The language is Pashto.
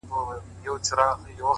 زمــا دزړه د ائينې په خاموشـۍ كي”